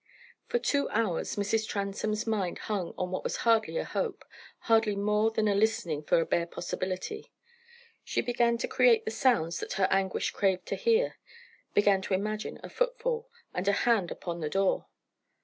For two hours Mrs. Transome's mind hung on what was hardly a hope hardly more than the listening for a bare possibility. She began to create the sounds that her anguish craved to hear began to imagine a footfall, and a hand upon the door.